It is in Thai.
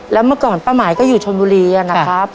แล้วเมื่อก่อนป้าหมายก็อยู่ชนบุรีนะครับ